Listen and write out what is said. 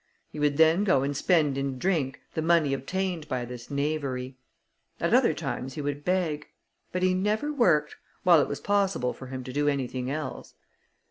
He would then go and spend in drink, the money obtained by this knavery. At other times, he would beg; but he never worked, while it was possible for him to do anything else.